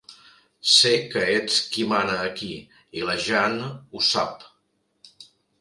Sé que ets qui mana aquí i la Jeanne ho sap.